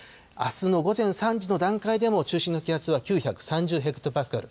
あすの午前３時の段階でも中心の気圧は９３０ヘクトパスカル。